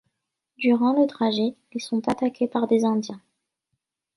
Durant le trajet, ils sont attaqués par des indiens.